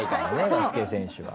バスケ選手は。